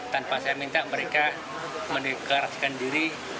tanpa saya minta mereka mendeklarasikan diri